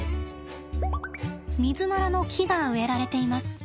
ミズナラの木が植えられています。